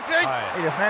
いいですね。